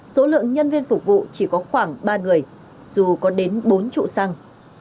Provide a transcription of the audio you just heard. số lượng nhân viên phục vụ chỉ có khoảng ba người dù có đến bốn trụ xăng